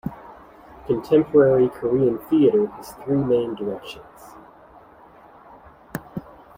Contemporary Korean theatre has three main directions.